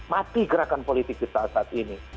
mati gerakan politik kita saat ini